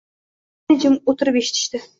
Ikkovi meni jim o`tirib eshitishdi